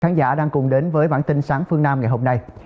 khán giả đang cùng đến với bản tin sáng phương nam ngày hôm nay